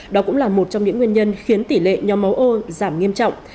đó cũng là một trong những nguyên nhân khiến tỷ lệ nhóm máu ô giảm nghiêm trọng